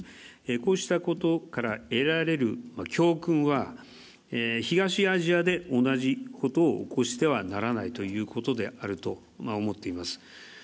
こうしたことから得られる教訓は、東アジアで同じことを起こしてはならないということであると思っています。